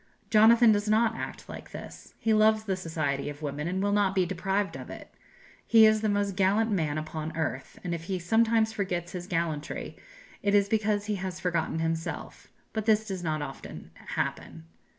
Jonathan does not act like this; he loves the society of women, and will not be deprived of it; he is the most gallant man upon earth, and if he sometimes forgets his gallantry, it is because he has forgotten himself; but this does not often happen.